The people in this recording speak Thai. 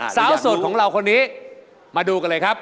สาวโสดของเราคนนี้มาดูกันเลยครับ